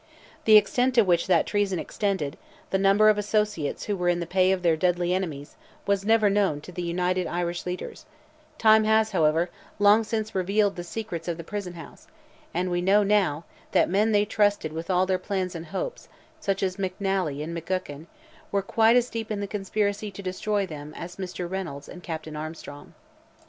The extent to which that treason extended, the number of associates who were in the pay of their deadly enemies, was never known to the United Irish leaders; time has, however, long since "revealed the secrets of the prison house," and we know now, that men they trusted with all their plans and hopes, such as McNally and McGucken, were quite as deep in the conspiracy to destroy them as Mr. Reynolds and Captain Armstrong.